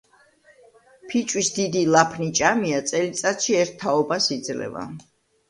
ფიჭვის დიდი ლაფნიჭამია წელიწადში ერთ თაობას იძლევა.